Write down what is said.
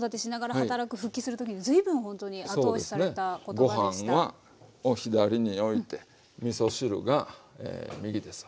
ご飯は左に置いてみそ汁が右ですわ。